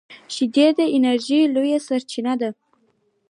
شیدې د انرژۍ لویه سرچینه ده